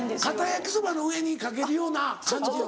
焼きそばの上にかけるような感じの。